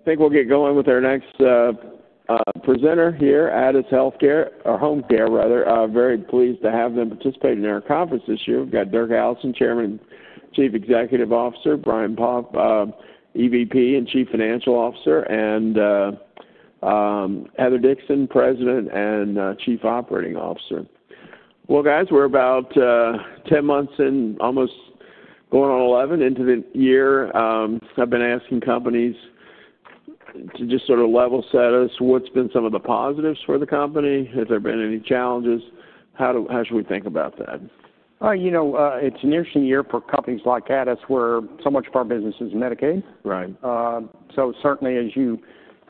I think we'll get going with our next presenter here, Addus HomeCare, rather. Very pleased to have them participate in our conference this year. We've got Dirk Allison, Chairman and Chief Executive Officer; Brian Poff, EVP and Chief Financial Officer; and Heather Dixon, President and Chief Operating Officer. Guys, we're about 10 months in, almost going on 11 into the year. I've been asking companies to just sort of level set us, what's been some of the positives for the company? Has there been any challenges? How do, how should we think about that? You know, it's an interesting year for companies like Addus where so much of our business is Medicaid. Right. Certainly as you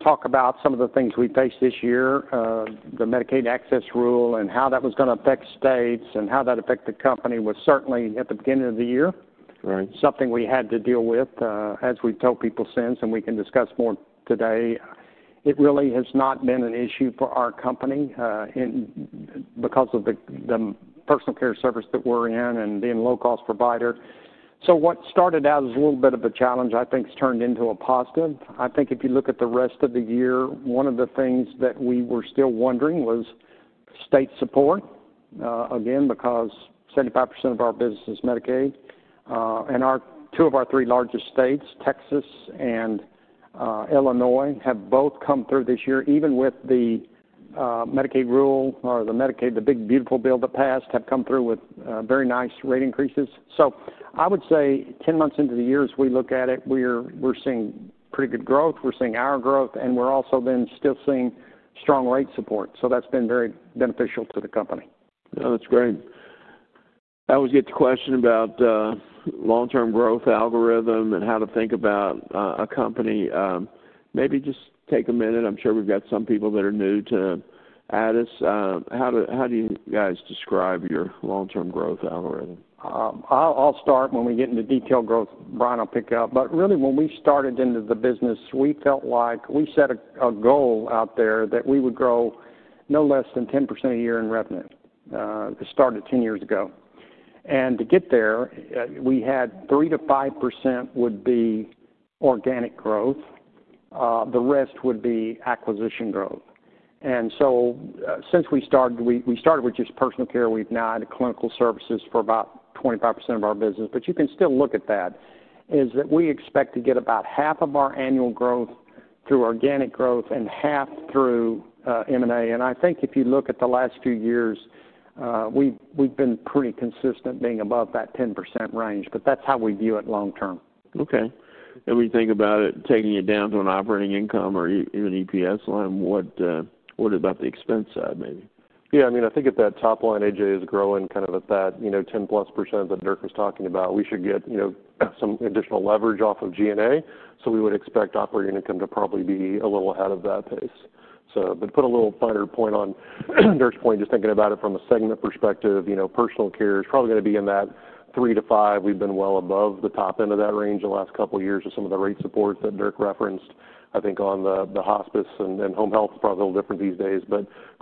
talk about some of the things we faced this year, the Medicaid Access Rule and how that was gonna affect states and how that affected the company was certainly at the beginning of the year. Right. Something we had to deal with, as we've told people since, and we can discuss more today. It really has not been an issue for our company, because of the personal care service that we're in and being a low-cost provider. What started out as a little bit of a challenge, I think, has turned into a positive. I think if you look at the rest of the year, one of the things that we were still wondering was state support, again, because 75% of our business is Medicaid. Two of our three largest states, Texas and Illinois, have both come through this year, even with the Medicaid rule or the Medicaid, the big, beautiful bill that passed, have come through with very nice rate increases. I would say 10 months into the year, as we look at it, we're seeing pretty good growth. We're seeing our growth, and we're also then still seeing strong rate support. That's been very beneficial to the company. No, that's great. I always get the question about long-term growth algorithm and how to think about a company. Maybe just take a minute. I'm sure we've got some people that are new to Addus. How do, how do you guys describe your long-term growth algorithm? I'll start. When we get into detailed growth, Brian will pick it up. Really, when we started into the business, we felt like we set a goal out there that we would grow no less than 10% a year in revenue. It started 10 years ago. To get there, we had 3-5% would be organic growth, the rest would be acquisition growth. Since we started, we started with just personal care. We've now added clinical services for about 25% of our business. You can still look at that as that we expect to get about half of our annual growth through organic growth and half through M&A. I think if you look at the last few years, we've been pretty consistent being above that 10% range. That's how we view it long-term. Okay. When you think about it, taking it down to an operating income or even EPS line, what about the expense side, maybe? Yeah. I mean, I think at that top line, AJ is growing kind of at that, you know, 10-plus % that Dirk was talking about. We should get, you know, some additional leverage off of G&A. We would expect operating income to probably be a little ahead of that pace. To put a little finer point on Dirk's point, just thinking about it from a segment perspective, you know, personal care is probably gonna be in that 3-5%. We've been well above the top end of that range the last couple of years with some of the rate support that Dirk referenced. I think on the hospice and home health is probably a little different these days.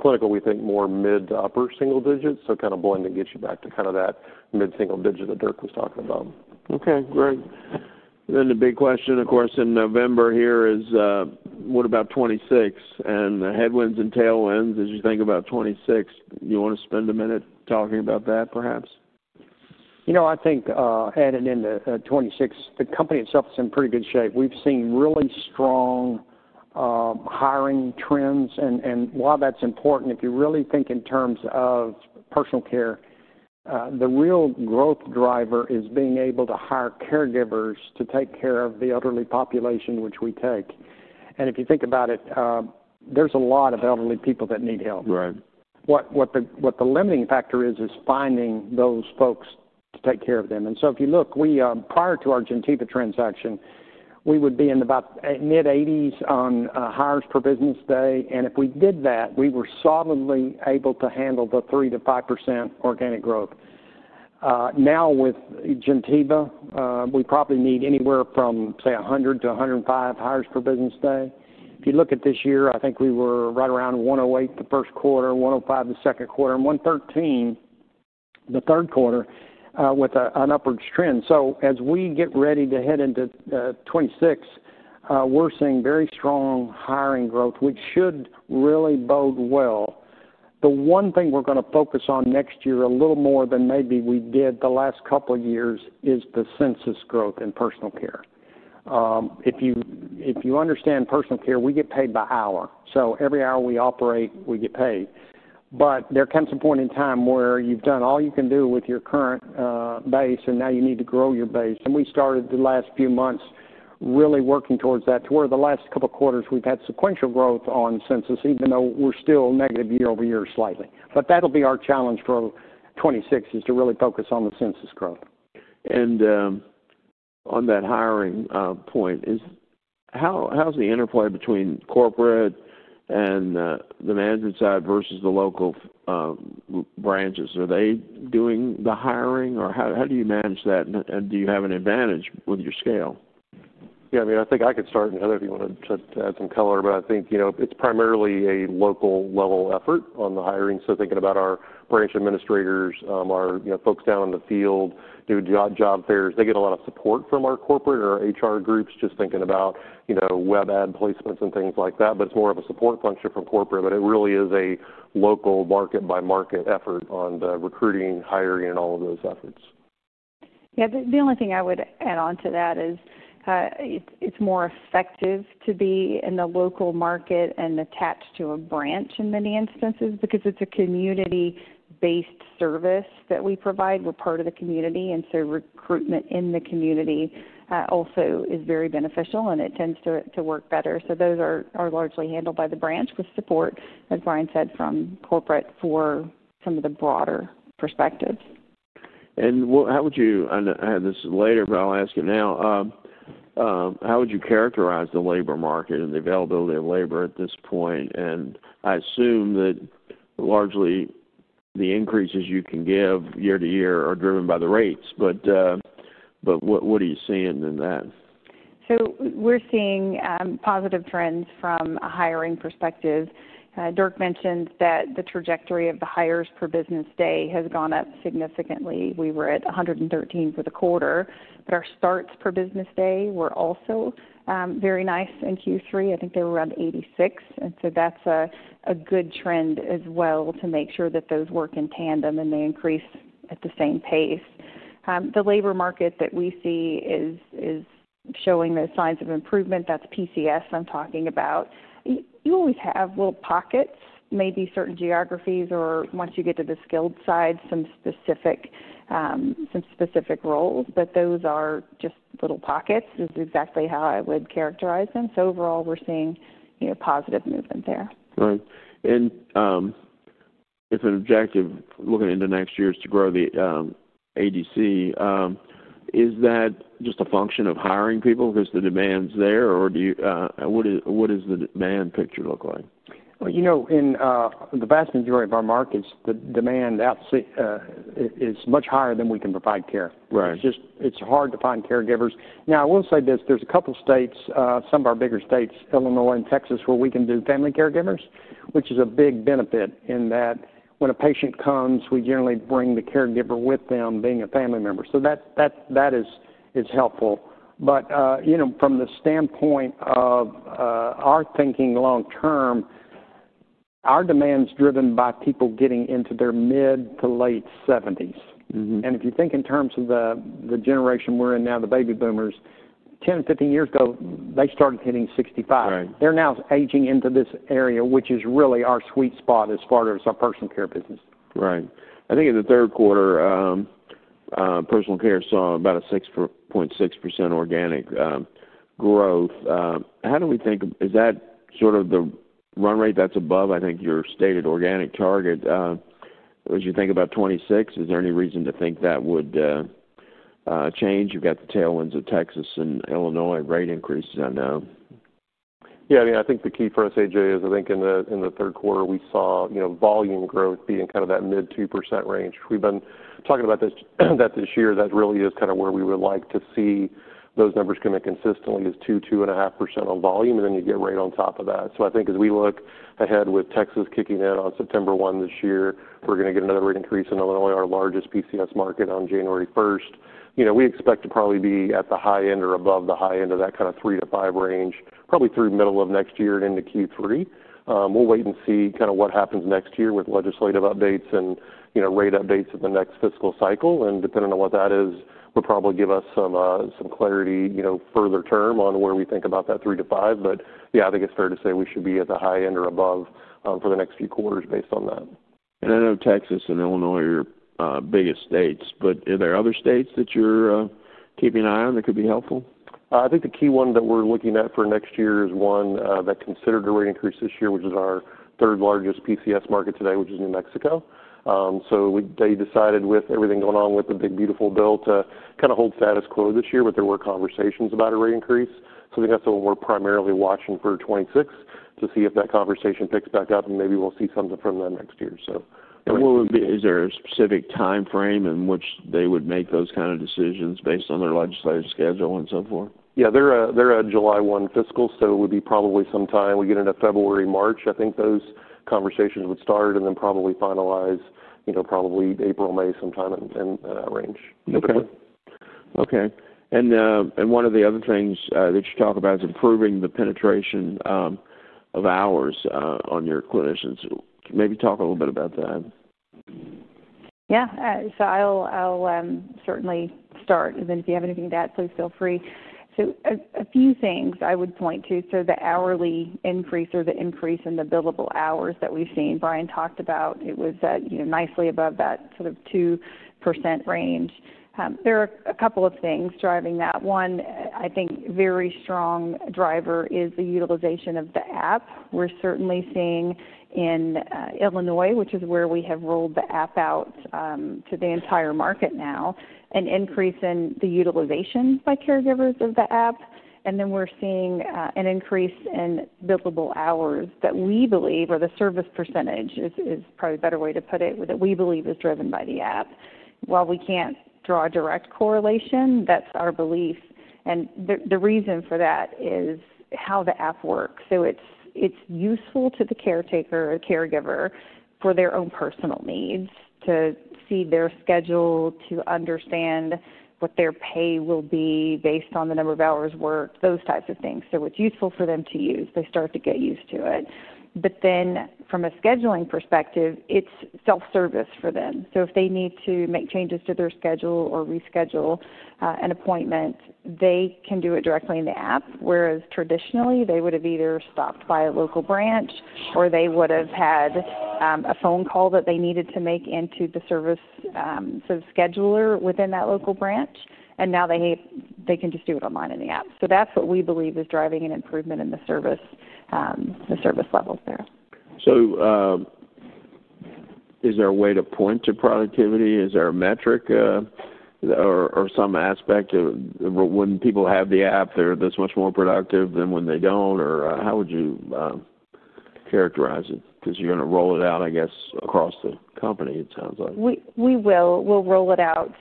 Clinical, we think more mid to upper single digits. Kind of blend and get you back to kind of that mid-single digit that Dirk was talking about. Okay. Great. The big question, of course, in November here is, what about 2026? The headwinds and tailwinds, as you think about 2026, you wanna spend a minute talking about that, perhaps? You know, I think, adding in the 26, the company itself is in pretty good shape. We've seen really strong hiring trends. And while that's important, if you really think in terms of personal care, the real growth driver is being able to hire caregivers to take care of the elderly population, which we take. If you think about it, there's a lot of elderly people that need help. Right. What the limiting factor is, is finding those folks to take care of them. If you look, prior to our Gentiva transaction, we would be in about mid-80s on hires per business day. If we did that, we were solidly able to handle the 3-5% organic growth. Now with Gentiva, we probably need anywhere from, say, 100-105 hires per business day. If you look at this year, I think we were right around 108 the first quarter, 105 the second quarter, and 113 the third quarter, with an upward trend. As we get ready to head into 2026, we're seeing very strong hiring growth, which should really bode well. The one thing we're gonna focus on next year a little more than maybe we did the last couple of years is the census growth in personal care. If you, if you understand personal care, we get paid by hour. So every hour we operate, we get paid. There comes a point in time where you've done all you can do with your current base, and now you need to grow your base. We started the last few months really working towards that. The last couple of quarters, we've had sequential growth on census, even though we're still negative year over year slightly. That'll be our challenge for 2026, is to really focus on the census growth. On that hiring point, how's the interplay between corporate and the management side versus the local branches? Are they doing the hiring, or how do you manage that? And do you have an advantage with your scale? Yeah. I mean, I think I could start, Heather, if you wanted to add some color. I think, you know, it's primarily a local-level effort on the hiring. Thinking about our branch administrators, our, you know, folks down in the field, doing job fairs, they get a lot of support from our corporate or our HR groups, just thinking about, you know, web ad placements and things like that. It's more of a support function from corporate. It really is a local market-by-market effort on the recruiting, hiring, and all of those efforts. Yeah. The only thing I would add on to that is, it's more effective to be in the local market and attached to a branch in many instances because it's a community-based service that we provide. We're part of the community. Recruitment in the community also is very beneficial, and it tends to work better. Those are largely handled by the branch with support, as Brian said, from corporate for some of the broader perspectives. What, how would you—I know I have this later, but I'll ask it now. How would you characterize the labor market and the availability of labor at this point? I assume that largely the increases you can give year-to-year are driven by the rates. But what are you seeing in that? We're seeing positive trends from a hiring perspective. Dirk mentioned that the trajectory of the hires per business day has gone up significantly. We were at 113 for the quarter, but our starts per business day were also very nice in Q3. I think they were around 86. That's a good trend as well to make sure that those work in tandem and they increase at the same pace. The labor market that we see is showing those signs of improvement. That's PCS I'm talking about. You always have little pockets, maybe certain geographies, or once you get to the skilled side, some specific roles. Those are just little pockets is exactly how I would characterize them. Overall, we're seeing, you know, positive movement there. Right. And, if an objective looking into next year is to grow the ADC, is that just a function of hiring people because the demand's there, or do you, what is, what is the demand picture look like? You know, in the vast majority of our markets, the demand outside is much higher than we can provide care. Right. It's just, it's hard to find caregivers. Now, I will say this. There's a couple of states, some of our bigger states, Illinois and Texas, where we can do family caregivers, which is a big benefit in that when a patient comes, we generally bring the caregiver with them, being a family member. That is helpful. But, you know, from the standpoint of our thinking long-term, our demand's driven by people getting into their mid to late 70s. Mm-hmm. If you think in terms of the, the generation we're in now, the Baby Boomers, 10, 15 years ago, they started hitting 65. Right. They're now aging into this area, which is really our sweet spot as far as our personal care business. Right. I think in the third quarter, personal care saw about a 6.6% organic growth. How do we think, is that sort of the run rate that's above, I think, your stated organic target, as you think about 2026? Is there any reason to think that would change? You've got the tailwinds of Texas and Illinois rate increases, I know. Yeah. I mean, I think the key for us, AJ, is I think in the, in the third quarter, we saw, you know, volume growth being kind of that mid-2% range. We've been talking about this, that this year, that really is kind of where we would like to see those numbers coming consistently is 2-2.5% on volume, and then you get right on top of that. I think as we look ahead with Texas kicking in on September 1 this year, we're gonna get another rate increase in Illinois, our largest PCS market, on January 1. You know, we expect to probably be at the high end or above the high end of that kind of 3-5% range, probably through middle of next year and into Q3. We'll wait and see kind of what happens next year with legislative updates and, you know, rate updates at the next fiscal cycle. Depending on what that is, would probably give us some, some clarity, you know, further term on where we think about that 3-5. Yeah, I think it's fair to say we should be at the high end or above, for the next few quarters based on that. I know Texas and Illinois are your biggest states, but are there other states that you're keeping an eye on that could be helpful? I think the key one that we're looking at for next year is one that considered a rate increase this year, which is our third largest PCS market today, which is New Mexico. They decided with everything going on with the big, beautiful bill to kind of hold status quo this year. There were conversations about a rate increase. I think that's the one we're primarily watching for 2026 to see if that conversation picks back up, and maybe we'll see something from them next year. Is there a specific time frame in which they would make those kind of decisions based on their legislative schedule and so forth? Yeah. They're a July 1 fiscal, so it would be probably sometime we get into February, March. I think those conversations would start and then probably finalize, you know, probably April, May, sometime in that range. Okay. Okay. One of the other things that you talk about is improving the penetration of hours on your clinicians. Maybe talk a little bit about that. Yeah. I'll certainly start. If you have anything to add, please feel free. A few things I would point to. The hourly increase or the increase in the billable hours that we've seen, Brian talked about, it was at nicely above that sort of 2% range. There are a couple of things driving that. One, I think very strong driver is the utilization of the app. We're certainly seeing in Illinois, which is where we have rolled the app out to the entire market now, an increase in the utilization by caregivers of the app. We're seeing an increase in billable hours that we believe, or the service percentage is probably a better way to put it, that we believe is driven by the app. While we can't draw a direct correlation, that's our belief. The reason for that is how the app works. It's useful to the caretaker or caregiver for their own personal needs to see their schedule, to understand what their pay will be based on the number of hours worked, those types of things. It's useful for them to use. They start to get used to it. From a scheduling perspective, it's self-service for them. If they need to make changes to their schedule or reschedule an appointment, they can do it directly in the app. Traditionally, they would have either stopped by a local branch or they would have had a phone call that they needed to make into the service scheduler within that local branch. Now they can just do it online in the app. That's what we believe is driving an improvement in the service, the service levels there. Is there a way to point to productivity? Is there a metric, or, or some aspect of when people have the app, they're this much more productive than when they don't? Or, how would you characterize it? Because you're gonna roll it out, I guess, across the company, it sounds like. We will. We'll roll it out.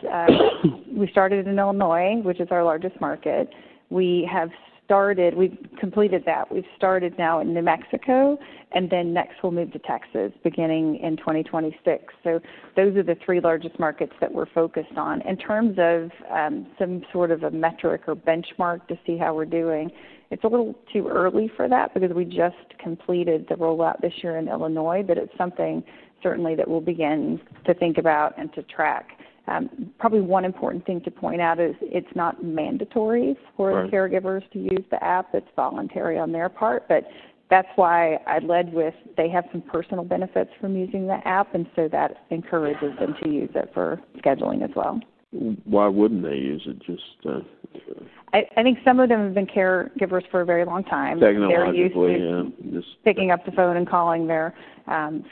We started in Illinois, which is our largest market. We have started, we've completed that. We've started now in New Mexico, and then next we'll move to Texas beginning in 2026. Those are the three largest markets that we're focused on. In terms of some sort of a metric or benchmark to see how we're doing, it's a little too early for that because we just completed the rollout this year in Illinois. It's something certainly that we'll begin to think about and to track. Probably one important thing to point out is it's not mandatory for caregivers to use the app. It's voluntary on their part. That's why I led with they have some personal benefits from using the app, and that encourages them to use it for scheduling as well. Why wouldn't they use it? Just, I think some of them have been caregivers for a very long time. Stacking on their iPhone, yeah. Very usually, yeah. Just picking up the phone and calling their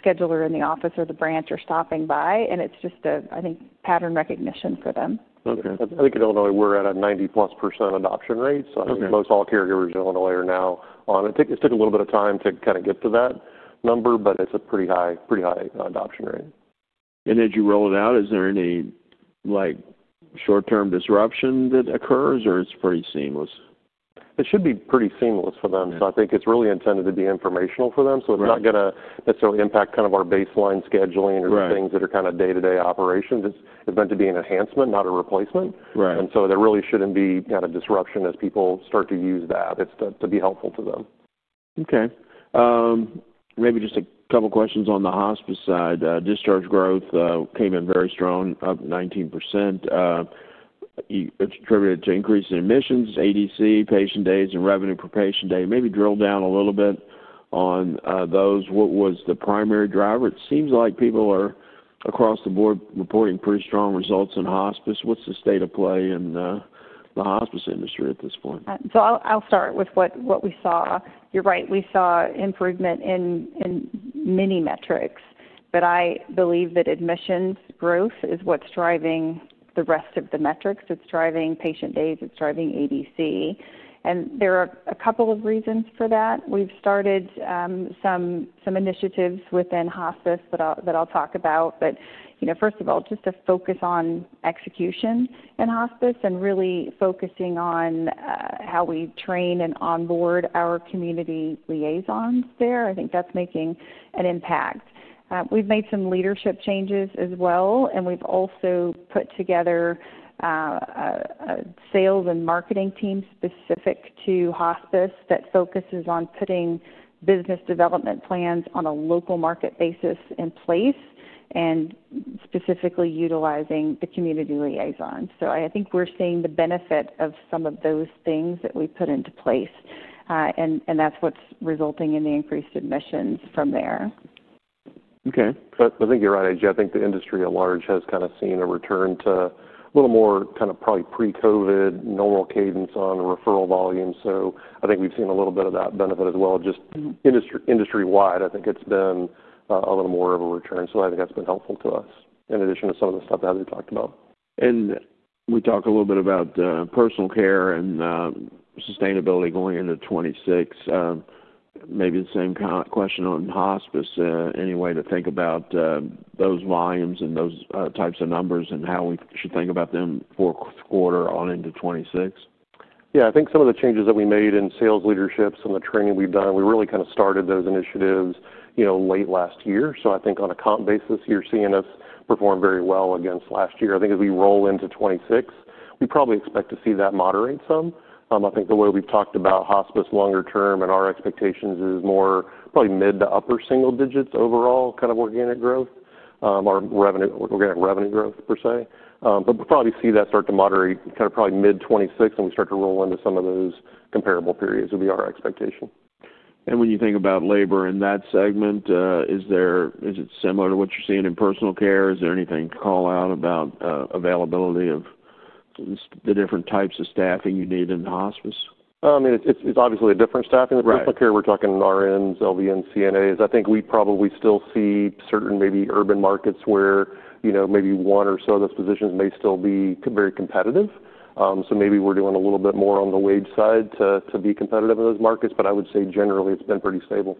scheduler in the office or the branch or stopping by. It's just a, I think, pattern recognition for them. Okay. I think in Illinois, we're at a 90% plus adoption rate. I think most all caregivers in Illinois are now on it. It took a little bit of time to kind of get to that number, but it's a pretty high, pretty high adoption rate. As you roll it out, is there any, like, short-term disruption that occurs, or it's pretty seamless? It should be pretty seamless for them. I think it's really intended to be informational for them. It's not gonna necessarily impact kind of our baseline scheduling or things that are kind of day-to-day operations. It's meant to be an enhancement, not a replacement. Right. There really should not be kind of disruption as people start to use the app. It is to, to be helpful to them. Okay. Maybe just a couple of questions on the hospice side. Discharge growth came in very strong, up 19%. You attributed it to increase in admissions, ADC, patient days, and revenue per patient day. Maybe drill down a little bit on those. What was the primary driver? It seems like people are across the board reporting pretty strong results in hospice. What's the state of play in the hospice industry at this point? I'll start with what we saw. You're right. We saw improvement in many metrics. I believe that admissions growth is what's driving the rest of the metrics. It's driving patient days. It's driving ADC. There are a couple of reasons for that. We've started some initiatives within hospice that I'll talk about. You know, first of all, just to focus on execution in hospice and really focusing on how we train and onboard our community liaisons there. I think that's making an impact. We've made some leadership changes as well. We've also put together sales and marketing teams specific to hospice that focus on putting business development plans on a local market basis in place and specifically utilizing the community liaisons. I think we're seeing the benefit of some of those things that we put into place and that's what's resulting in the increased admissions from there. Okay. I think you're right, AJ. I think the industry at large has kind of seen a return to a little more kind of probably pre-COVID normal cadence on referral volume. I think we've seen a little bit of that benefit as well. Just industry-wide, I think it's been a little more of a return. I think that's been helpful to us in addition to some of the stuff that we've talked about. We talked a little bit about personal care and sustainability going into 2026. Maybe the same kind of question on hospice, any way to think about those volumes and those types of numbers and how we should think about them for quarter on into 2026? Yeah. I think some of the changes that we made in sales leadership, some of the training we've done, we really kind of started those initiatives, you know, late last year. I think on a comp basis, you're seeing us perform very well against last year. I think as we roll into 2026, we probably expect to see that moderate some. I think the way we've talked about hospice longer term and our expectations is more probably mid to upper single digits overall kind of organic growth, or revenue, organic revenue growth per se. but we'll probably see that start to moderate kind of probably mid 2026 when we start to roll into some of those comparable periods would be our expectation. When you think about labor in that segment, is it similar to what you're seeing in personal care? Is there anything to call out about availability of the different types of staffing you need in hospice? I mean, it's obviously a different staffing than personal care. Right. We're talking RNs, LVNs, CNAs. I think we probably still see certain maybe urban markets where, you know, maybe one or so of those positions may still be very competitive. Maybe we're doing a little bit more on the wage side to, to be competitive in those markets. I would say generally it's been pretty stable.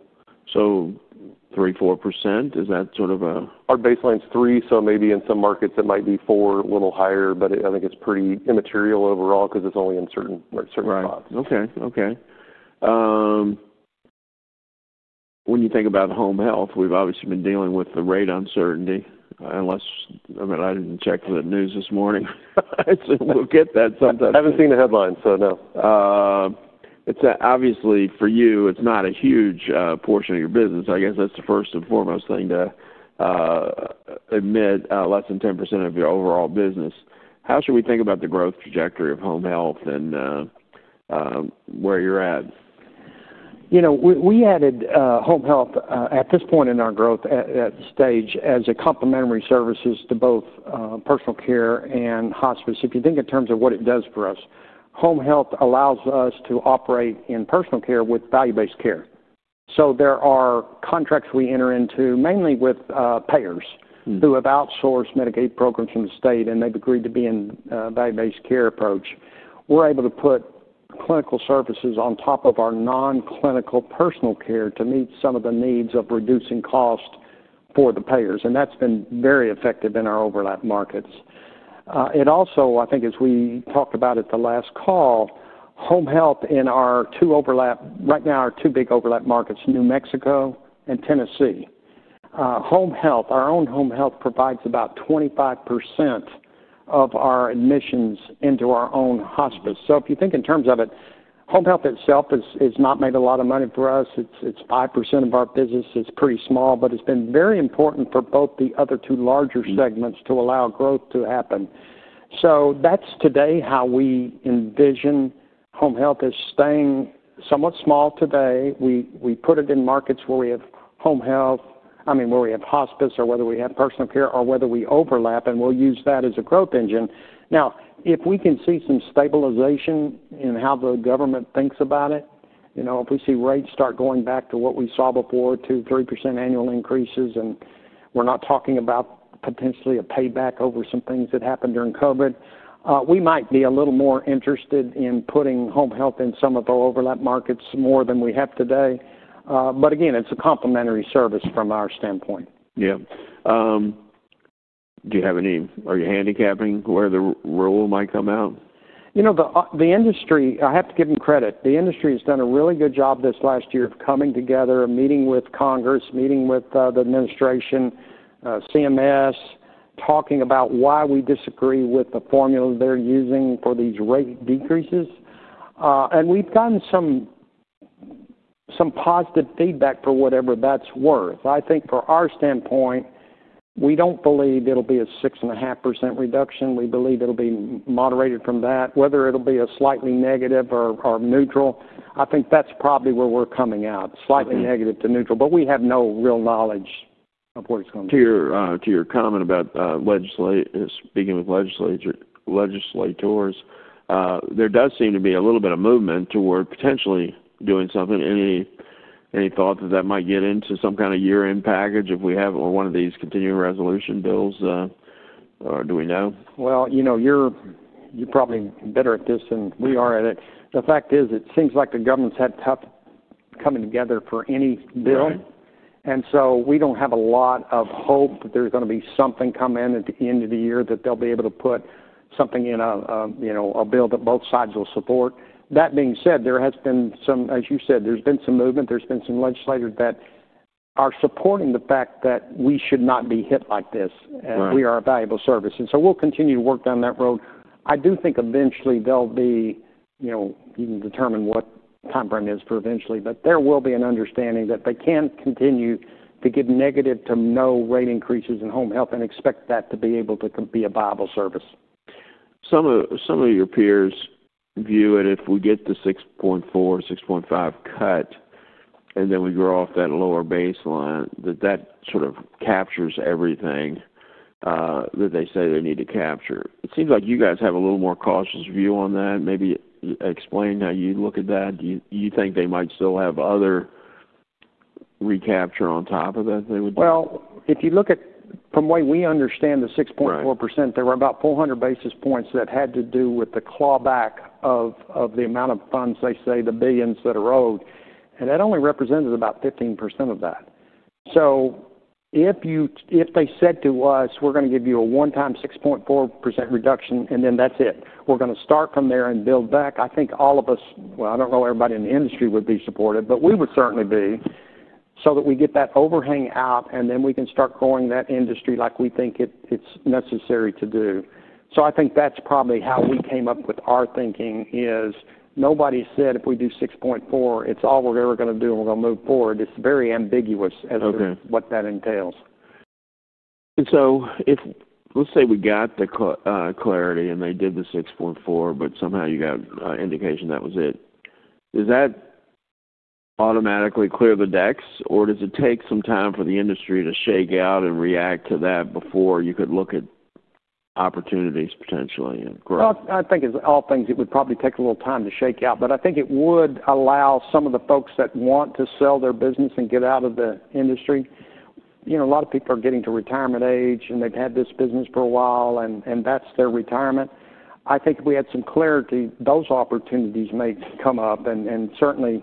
Three, four percent? Is that sort of a? Our baseline's 3, so maybe in some markets it might be 4, a little higher. I think it's pretty immaterial overall because it's only in certain, certain spots. Right. Okay. Okay. When you think about home health, we've obviously been dealing with the rate uncertainty. Unless, I mean, I didn't check the news this morning. I said we'll get that sometime. I haven't seen the headlines, so no. It's obviously for you, it's not a huge portion of your business. I guess that's the first and foremost thing to admit, less than 10% of your overall business. How should we think about the growth trajectory of home health and where you're at? You know, we added home health at this point in our growth, at this stage, as a complementary service to both personal care and hospice. If you think in terms of what it does for us, home health allows us to operate in personal care with value-based care. So there are contracts we enter into mainly with payers. Mm-hmm. Who have outsourced Medicaid programs from the state, and they've agreed to be in, value-based care approach. We're able to put clinical services on top of our non-clinical personal care to meet some of the needs of reducing cost for the payers. That's been very effective in our overlap markets. It also, I think as we talked about at the last call, home health in our two overlap right now are two big overlap markets, New Mexico and Tennessee. Home health, our own home health provides about 25% of our admissions into our own hospice. If you think in terms of it, home health itself is, is not made a lot of money for us. It's, it's 5% of our business. It's pretty small. But it's been very important for both the other two larger segments to allow growth to happen. That's today how we envision home health as staying somewhat small today. We put it in markets where we have home health, I mean, where we have hospice or whether we have personal care or whether we overlap, and we'll use that as a growth engine. Now, if we can see some stabilization in how the government thinks about it, you know, if we see rates start going back to what we saw before, 2-3% annual increases, and we're not talking about potentially a payback over some things that happened during COVID, we might be a little more interested in putting home health in some of our overlap markets more than we have today. Again, it's a complementary service from our standpoint. Yeah. Do you have any, are you handicapping where the rule might come out? You know, the industry, I have to give them credit. The industry has done a really good job this last year of coming together, meeting with Congress, meeting with the administration, CMS, talking about why we disagree with the formula they're using for these rate decreases. We have gotten some positive feedback for whatever that's worth. I think from our standpoint, we do not believe it will be a 6.5% reduction. We believe it will be moderated from that. Whether it will be slightly negative or neutral, I think that's probably where we're coming out. Slightly negative to neutral. We have no real knowledge of where it's going to be. To your comment about speaking with legislators, there does seem to be a little bit of movement toward potentially doing something. Any thought that that might get into some kind of year-end package if we have one of these continuing resolution bills, or do we know? You know, you're probably better at this than we are at it. The fact is it seems like the government's had tough coming together for any bill. Right. We do not have a lot of hope that there is gonna be something come in at the end of the year that they will be able to put something in a, you know, a bill that both sides will support. That being said, there has been some, as you said, there has been some movement. There have been some legislators that are supporting the fact that we should not be hit like this. Right. We are a valuable service. We will continue to work down that road. I do think eventually there will be, you know, you can determine what timeframe is for eventually. There will be an understanding that they cannot continue to give negative to no rate increases in home health and expect that to be able to be a viable service. Some of your peers view it if we get the 6.4-6.5 cut, and then we grow off that lower baseline, that that sort of captures everything that they say they need to capture. It seems like you guys have a little more cautious view on that. Maybe explain how you look at that. Do you think they might still have other recapture on top of that they would do? If you look at from what we understand the 6.4%. Right. There were about 400 basis points that had to do with the clawback of the amount of funds, they say, the billions that erode. And that only represented about 15% of that. If they said to us, "We're gonna give you a one-time 6.4% reduction, and then that's it. We're gonna start from there and build back," I think all of us, well, I don't know everybody in the industry would be supportive, but we would certainly be so that we get that overhang out, and then we can start growing that industry like we think it, it's necessary to do. I think that's probably how we came up with our thinking is nobody said if we do 6.4, it's all we're ever gonna do and we're gonna move forward. It's very ambiguous as to. Okay. What that entails. If, let's say, we got the clarity and they did the 6.4, but somehow you got indication that was it. Does that automatically clear the decks, or does it take some time for the industry to shake out and react to that before you could look at opportunities potentially and grow? I think as all things, it would probably take a little time to shake out. I think it would allow some of the folks that want to sell their business and get out of the industry. You know, a lot of people are getting to retirement age, and they've had this business for a while, and that's their retirement. I think if we had some clarity, those opportunities may come up. Certainly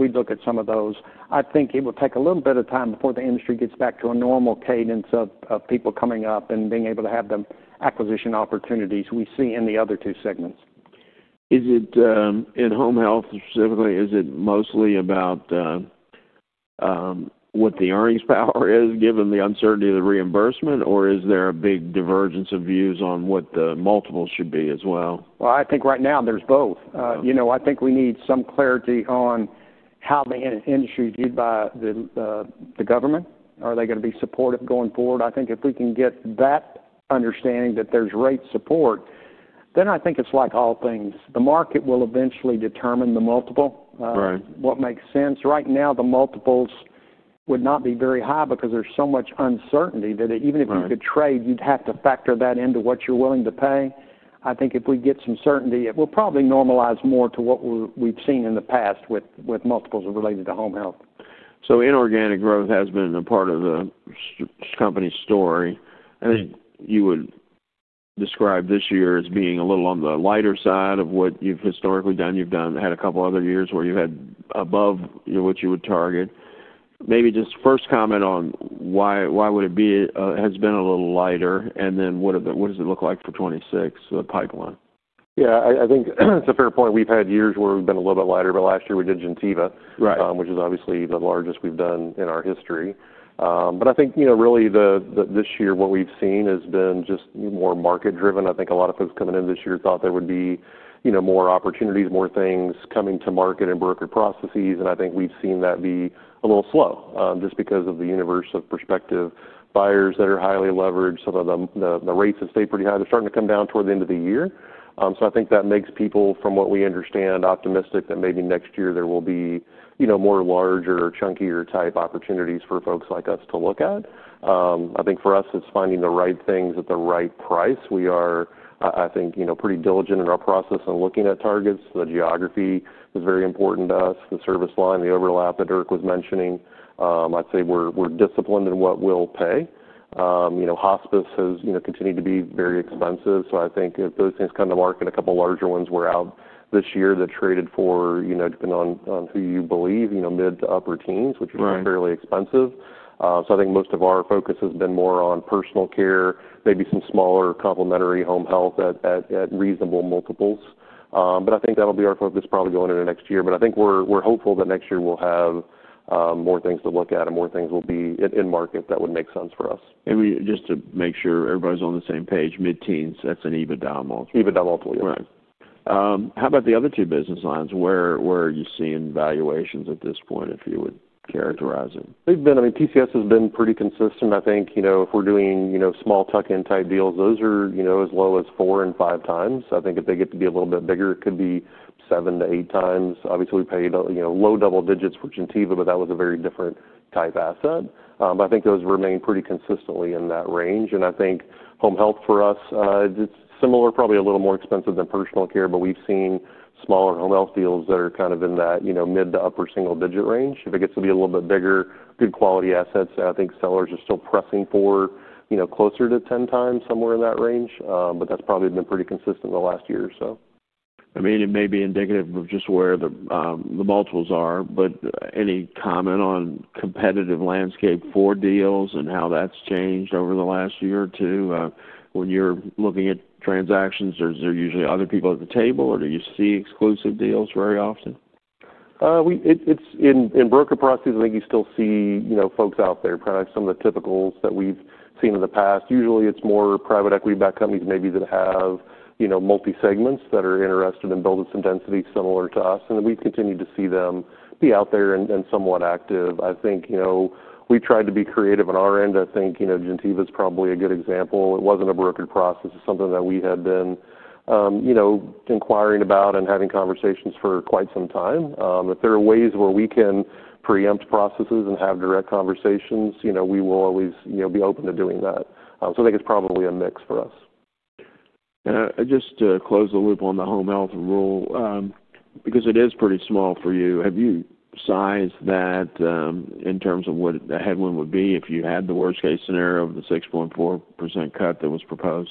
we'd look at some of those. I think it will take a little bit of time before the industry gets back to a normal cadence of people coming up and being able to have the acquisition opportunities we see in the other two segments. Is it, in home health specifically, is it mostly about what the earnings power is given the uncertainty of the reimbursement, or is there a big divergence of views on what the multiple should be as well? I think right now there's both. You know, I think we need some clarity on how the industry's viewed by the government. Are they gonna be supportive going forward? I think if we can get that understanding that there's rate support, then I think it's like all things. The market will eventually determine the multiple. Right. What makes sense. Right now, the multiples would not be very high because there's so much uncertainty that even if you could trade, you'd have to factor that into what you're willing to pay. I think if we get some certainty, it will probably normalize more to what we've seen in the past with multiples related to home health. Inorganic growth has been a part of the company's story. You would describe this year as being a little on the lighter side of what you've historically done. You've had a couple other years where you've had above, you know, what you would target. Maybe just first comment on why, why it has been a little lighter? What does it look like for 2026, the pipeline? Yeah. I think it's a fair point. We've had years where we've been a little bit lighter, but last year we did Gentiva. Right. Which is obviously the largest we've done in our history. I think, you know, really this year what we've seen has been just more market-driven. I think a lot of folks coming into this year thought there would be, you know, more opportunities, more things coming to market and brokered processes. I think we've seen that be a little slow, just because of the universe of prospective buyers that are highly leveraged. Some of them, the rates have stayed pretty high. They're starting to come down toward the end of the year. I think that makes people, from what we understand, optimistic that maybe next year there will be, you know, more larger or chunkier type opportunities for folks like us to look at. I think for us it's finding the right things at the right price. We are, I think, you know, pretty diligent in our process in looking at targets. The geography is very important to us. The service line, the overlap that Dirk was mentioning, I'd say we're disciplined in what we'll pay. You know, hospice has, you know, continued to be very expensive. I think if those things come to market, a couple larger ones were out this year that traded for, you know, depending on who you believe, mid to upper teens, which is fairly expensive. Right. I think most of our focus has been more on personal care, maybe some smaller complementary home health at reasonable multiples. I think that'll be our focus probably going into next year. I think we're hopeful that next year we'll have more things to look at and more things will be in market that would make sense for us. We just to make sure everybody's on the same page, mid-teens, that's an EBITDA multi. EBITDA multi. Right. How about the other two business lines? Where are you seeing valuations at this point if you would characterize it? They've been, I mean, TCS has been pretty consistent. I think, you know, if we're doing, you know, small tuck-in type deals, those are, you know, as low as four and five times. I think if they get to be a little bit bigger, it could be seven to eight times. Obviously, we paid, you know, low double digits for Gentiva, but that was a very different type asset. I think those remain pretty consistently in that range. I think home health for us, it's similar, probably a little more expensive than personal care, but we've seen smaller home health deals that are kind of in that, you know, mid to upper single-digit range. If it gets to be a little bit bigger, good quality assets, I think sellers are still pressing for, you know, closer to 10 times somewhere in that range. That's probably been pretty consistent in the last year or so. I mean, it may be indicative of just where the multiples are, but any comment on competitive landscape for deals and how that's changed over the last year or two? When you're looking at transactions, are there usually other people at the table, or do you see exclusive deals very often? We, it's in brokered processes, I think you still see, you know, folks out there, probably some of the typicals that we've seen in the past. Usually, it's more private equity-backed companies maybe that have, you know, multi-segments that are interested in building some density similar to us. And we've continued to see them be out there and, and somewhat active. I think, you know, we've tried to be creative on our end. I think, you know, Gentiva's probably a good example. It wasn't a brokered process. It's something that we had been, you know, inquiring about and having conversations for quite some time. If there are ways where we can preempt processes and have direct conversations, you know, we will always, you know, be open to doing that. I think it's probably a mix for us. Just to close the loop on the home health rule, because it is pretty small for you, have you sized that, in terms of what the headwind would be if you had the worst-case scenario of the 6.4% cut that was proposed?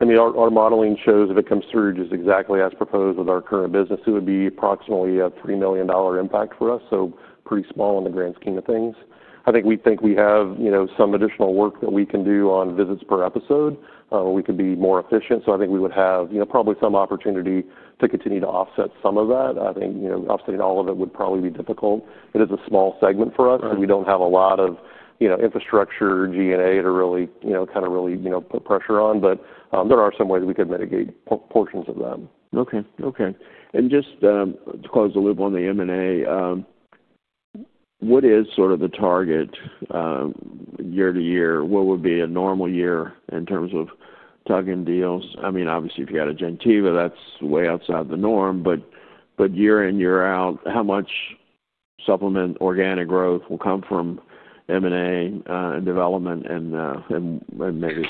I mean, our modeling shows if it comes through just exactly as proposed with our current business, it would be approximately a $3 million impact for us. So pretty small in the grand scheme of things. I think we have, you know, some additional work that we can do on visits per episode, where we could be more efficient. I think we would have, you know, probably some opportunity to continue to offset some of that. I think, you know, offsetting all of it would probably be difficult. It is a small segment for us. Right. We don't have a lot of, you know, infrastructure, G&A to really, you know, kind of really, you know, put pressure on. But there are some ways we could mitigate portions of that. Okay. Okay. And just, to close the loop on the M&A, what is sort of the target, year-to-year? What would be a normal year in terms of tuck-in deals? I mean, obviously, if you had a Gentiva, that's way outside the norm. But year in, year out, how much supplement organic growth will come from M&A, development and, and maybe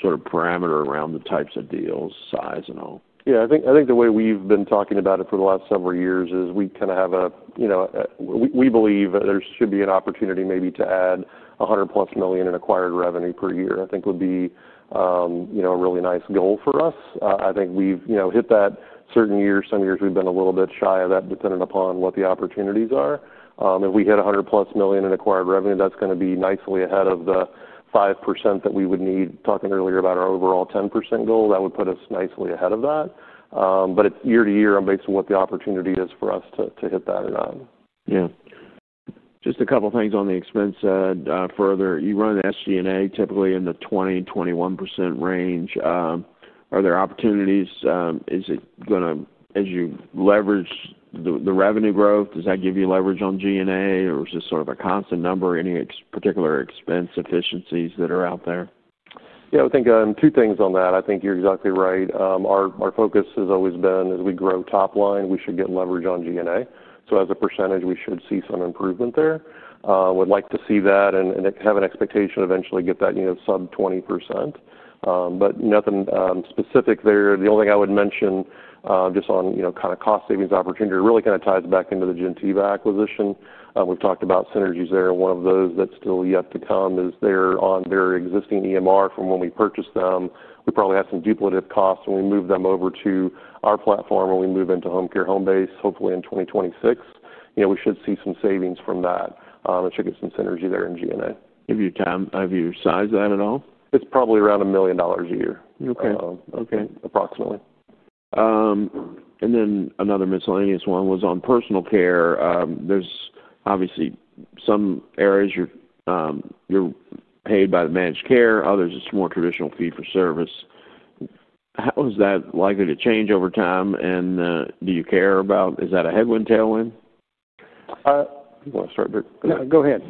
sort of parameter around the types of deals, size, and all? Yeah. I think the way we've been talking about it for the last several years is we kind of have a, you know, we believe there should be an opportunity maybe to add $100 million-plus in acquired revenue per year, I think would be a really nice goal for us. I think we've hit that certain years. Some years we've been a little bit shy of that depending upon what the opportunities are. If we hit $100 million-plus in acquired revenue, that's gonna be nicely ahead of the 5% that we would need. Talking earlier about our overall 10% goal, that would put us nicely ahead of that. It is year-to-year on basis of what the opportunity is for us to hit that or not. Yeah. Just a couple things on the expense, further. You run SG&A typically in the 20-21% range. Are there opportunities, is it gonna, as you leverage the, the revenue growth, does that give you leverage on G&A, or is this sort of a constant number? Any particular expense efficiencies that are out there? Yeah. I think, two things on that. I think you're exactly right. Our focus has always been as we grow top line, we should get leverage on G&A. So as a percentage, we should see some improvement there. We'd like to see that and have an expectation to eventually get that, you know, sub 20%. Nothing specific there. The only thing I would mention, just on, you know, kind of cost savings opportunity really kind of ties back into the Gentiva acquisition. We've talked about synergies there. One of those that's still yet to come is they're on their existing EMR from when we purchased them. We probably have some duplicate costs when we move them over to our platform when we move into HomeCare HomeBase, hopefully in 2026. You know, we should see some savings from that. It should get some synergy there in G&A. Of your time? Have you sized that at all? It's probably around $1 million a year. Okay. approximately. And then another miscellaneous one was on personal care. There are obviously some areas you are paid by the managed care. Others, it is more traditional fee-for-service. How is that likely to change over time? And, do you care about, is that a headwind, tailwind? You wanna start, Dirk? Yeah. Go ahead.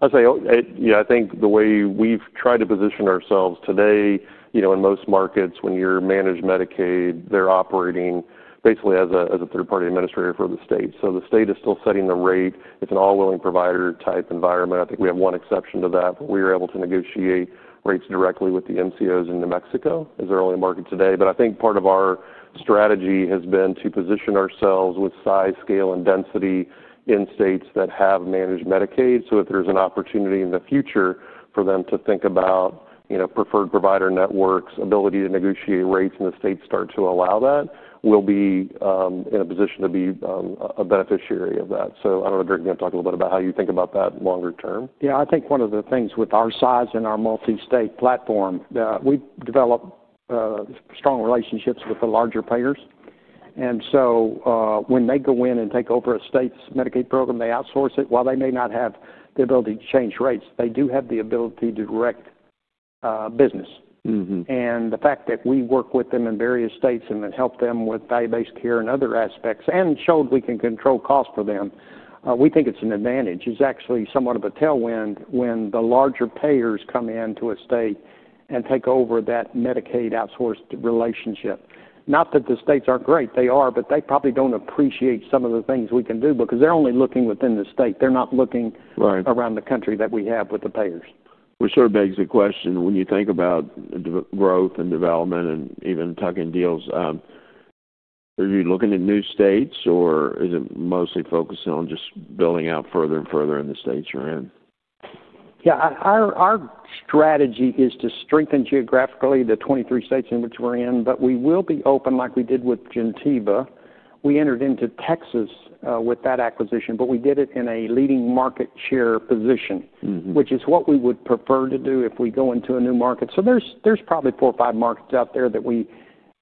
I'd say, oh, I, you know, I think the way we've tried to position ourselves today, you know, in most markets, when you're managed Medicaid, they're operating basically as a third-party administrator for the state. The state is still setting the rate. It's an all-willing provider type environment. I think we have one exception to that, but we are able to negotiate rates directly with the MCOs in New Mexico as they're only in market today. I think part of our strategy has been to position ourselves with size, scale, and density in states that have managed Medicaid. If there's an opportunity in the future for them to think about, you know, preferred provider networks, ability to negotiate rates, and the states start to allow that, we'll be in a position to be a beneficiary of that. I don't know, Dirk, you wanna talk a little bit about how you think about that longer term? Yeah. I think one of the things with our size and our multi-state platform, we've developed strong relationships with the larger payers. And so, when they go in and take over a state's Medicaid program, they outsource it. While they may not have the ability to change rates, they do have the ability to direct business. Mm-hmm. The fact that we work with them in various states and then help them with value-based care and other aspects and showed we can control costs for them, we think it's an advantage. It's actually somewhat of a tailwind when the larger payers come into a state and take over that Medicaid outsourced relationship. Not that the states aren't great. They are, but they probably don't appreciate some of the things we can do because they're only looking within the state. They're not looking. Right. Around the country that we have with the payers. Which sort of begs the question, when you think about growth and development and even tuck-in deals, are you looking at new states, or is it mostly focusing on just building out further and further in the states you're in? Yeah. Our strategy is to strengthen geographically the 23 states in which we're in, but we will be open like we did with Gentiva. We entered into Texas with that acquisition, but we did it in a leading market share position. Mm-hmm. Which is what we would prefer to do if we go into a new market. There are probably four or five markets out there that we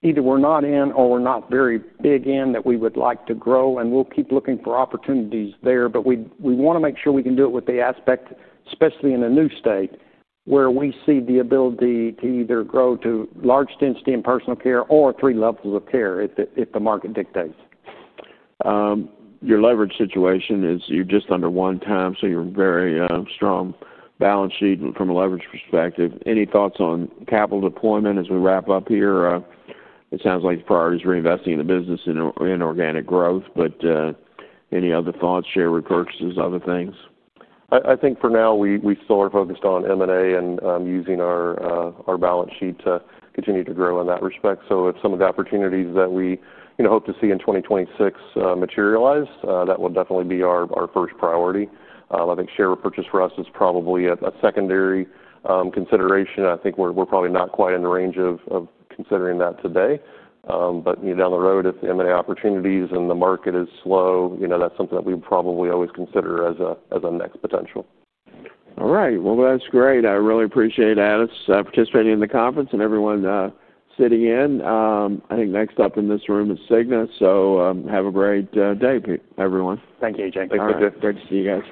either are not in or we are not very big in that we would like to grow. We will keep looking for opportunities there, but we want to make sure we can do it with the aspect, especially in a new state, where we see the ability to either grow to large density in personal care or three levels of care if the market dictates. Your leverage situation is you're just under one time, so you're very strong balance sheet from a leverage perspective. Any thoughts on capital deployment as we wrap up here? It sounds like the priority is reinvesting in the business and in organic growth, but any other thoughts, share repurchases, other things? I think for now we still are focused on M&A and using our balance sheet to continue to grow in that respect. If some of the opportunities that we, you know, hope to see in 2026 materialize, that will definitely be our first priority. I think share of purchase for us is probably a secondary consideration. I think we're probably not quite in the range of considering that today. You know, down the road, if the M&A opportunities and the market is slow, you know, that's something that we would probably always consider as a next potential. All right. That's great. I really appreciate Addus participating in the conference and everyone sitting in. I think next up in this room is Cigna. Have a great day, everyone. Thank you, AJ. Thanks, Dirk. Great to see you guys.